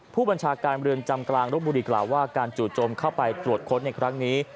ผู้บัญชาการเรือนจำกลางรบบุรีกล่าวว่าการจู่จมเข้าไปตรวจค้นในครั้งนี้